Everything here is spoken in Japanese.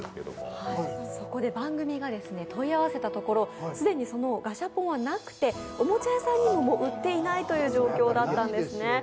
そこで番組が問い合わせたところ、既にそのガシャポンはなくておもちゃ屋さんにももう売っていないという状況だったんですね。